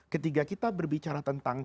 ketika kita berbicara tentang